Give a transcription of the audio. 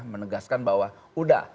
menegaskan bahwa sudah